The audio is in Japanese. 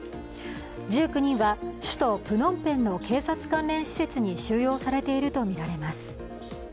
１９人は首都プノンペンの警察関連施設に収容されているとみられます。